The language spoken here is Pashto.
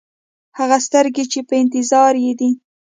هغه سترګې چې په انتظار یې دی.